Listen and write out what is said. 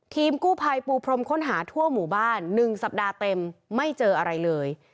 ทีมกู้ภัยปูพรมค้นหาทั่วหมู่บ้าน๑สัปดาห์เต็มไม่เจออะไรเลย